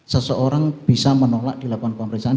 seseorang bisa menolak dilakukan pemeriksaan